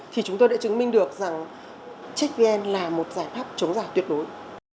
thì chúng ta đã chứng minh được rằng checkvn là một giải pháp chống giả tuyệt đối